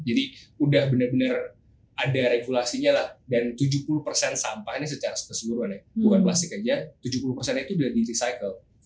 jadi udah bener bener ada regulasinya lah dan tujuh puluh sampah ini secara keseluruhannya bukan plastik aja tujuh puluh nya itu udah di recycle